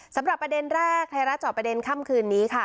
สำหรับประเด็นแรกไทยรัฐจอบประเด็นค่ำคืนนี้ค่ะ